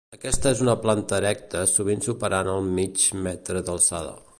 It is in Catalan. Aquesta és una planta erecta sovint superant el mig metre d'alçada.